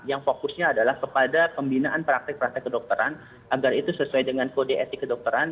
yang fokusnya adalah kepada pembinaan praktek praktek kedokteran agar itu sesuai dengan kode etik kedokteran